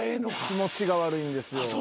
気持ちが悪いんですよ。